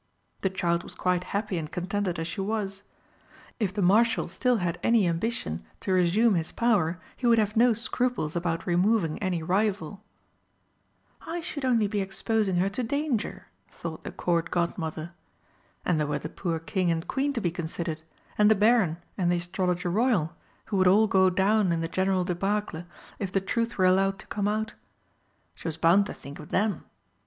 The child was quite happy and contented as she was. If the Marshal still had any ambition to resume his power, he would have no scruples about removing any rival. "I should only be exposing her to danger," thought the Court Godmother. And there were the poor King and Queen to be considered, and the Baron and the Astrologer Royal, who would all go down in the general débâcle if the truth were allowed to come out. She was bound to think of them.